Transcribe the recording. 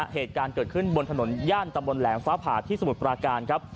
เหตุการณ์เกิดขึ้นบนถนนย่านตำบลแหลมฟ้าผ่าที่สมุทรปราการครับ